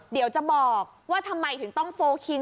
เดี๋ยวจะบอกว่าทำไมถึงต้องโฟลคิง